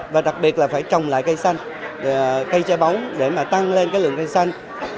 và đặc biệt là phải trồng lại cây xanh cây che báu để mà tăng lên cái lượng cây xanh